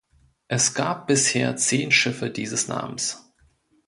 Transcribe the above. Es gab bisher zehn Schiffe dieses Namens.